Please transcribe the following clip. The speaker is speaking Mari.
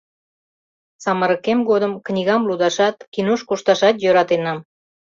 Самырыкем годым книгам лудашат, кинош кошташат йӧратенам.